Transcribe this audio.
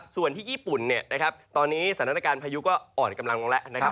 ส่วนที่ญี่ปุ่นตอนนี้สถานการณ์พายุก็อ่อนกำลังแล้ว